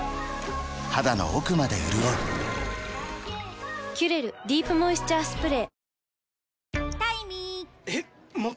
肌の奥まで潤う「キュレルディープモイスチャースプレー」